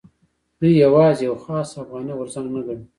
دوی یوازې یو خاص افغاني غورځنګ نه ګڼو.